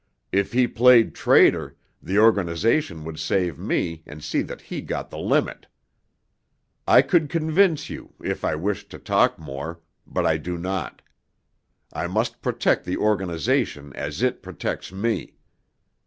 If he played traitor, the organization would save me and see that he got the limit. I could convince you if I wished to talk more, but I do not; I must protect the organization as it protects me.